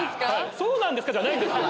「そうなんですか⁉」じゃない。